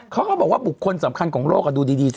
เขาก็บอกบุคคลสำคัญในโลกลงสาปด้วย